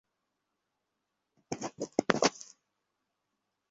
আমি দেয়ালটায় হাতের ছাপ রাখতে চাই।